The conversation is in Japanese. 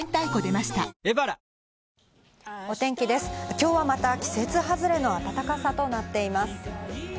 今日はまた季節外れの暖かさとなっています。